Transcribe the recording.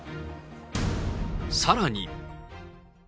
さらに。